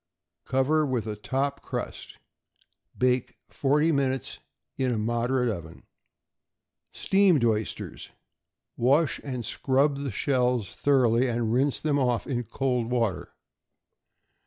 Cover with a top crust; bake forty minutes in a moderate oven. =Steamed Oysters.= Wash and scrub the shells thoroughly, and rinse them off in cold water.